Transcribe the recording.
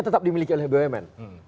tetap dimiliki oleh bumn